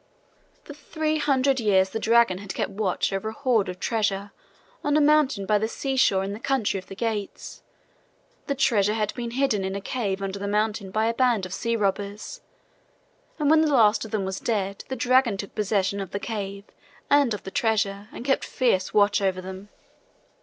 For three hundred years this dragon had kept watch over a hoard of treasure on a mountain by the seashore in the country of the Geats. The treasure had been hidden in a cave under the mountain by a band of sea robbers; and when the last of them was dead the dragon took possession of the cave and of the treasure and kept fierce watch over them.